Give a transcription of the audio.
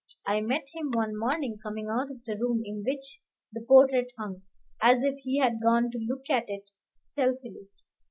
I met him one morning coming out of the room in which the portrait hung, as if he had gone to look at it stealthily.